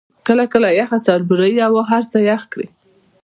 کله کله یخه سایبریايي هوا هر څه يخ کړي.